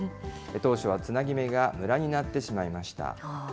当初はつなぎ目がむらになってしまいました。